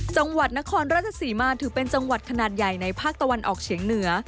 จังหวัดนครราชศรีมาถือเป็นจังหวัดขนาดใหญ่ในภาคตะวันออกเฉียงเหนือ